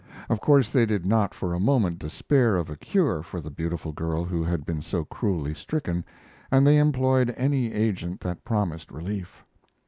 Of course they did not for a moment despair of a cure for the beautiful girl who had been so cruelly stricken, and they employed any agent that promised relief.